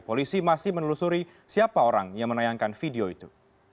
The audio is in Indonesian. polisi masih menelusuri siapa orang yang menayangkan video itu